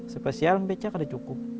spesial becak tidak cukup